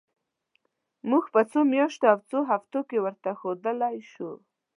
موږ په څو میاشتو یا څو هفتو کې ورته ښودلای شو.